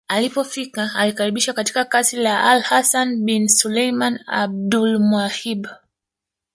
Alipofika alikaribishwa katika kasri la alHasan ibn Sulaiman AbulMawahib